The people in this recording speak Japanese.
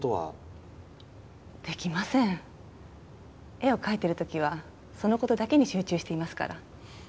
絵を描いてる時はその事だけに集中していますから。